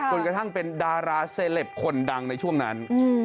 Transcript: กระทั่งเป็นดาราเซลปคนดังในช่วงนั้น